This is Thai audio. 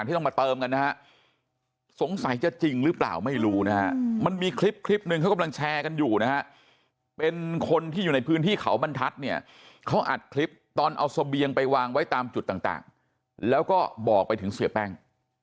คลิปนึงเขากำลังแชร์กันอยู่นะครับเป็นคนที่อยู่ในพื้นที่เขามันทัศน์เนี่ยเขาอัดคลิปตอนเอาสเบียงไปวางไว้ตามจุดต่างแล้วก็บอกไปถึงเสียแป้ง